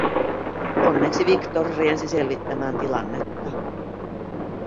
Onneksi Victor riensi selvittämään tilannetta: